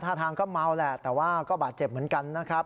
ท่าทางก็เมาแหละแต่ว่าก็บาดเจ็บเหมือนกันนะครับ